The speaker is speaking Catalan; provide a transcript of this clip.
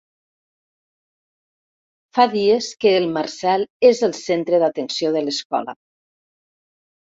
Fa dies que el Marcel és el centre d'atenció de l'escola.